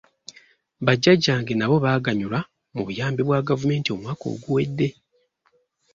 Bajjajjange nabo baaganyulwa mu buyambi bwa gavumenti omwaka oguwedde.